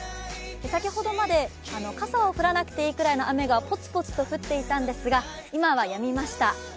先ほどまで傘を持たなくていいぐらいの雨がぽつぽつと降っていたんですが、今はやみました。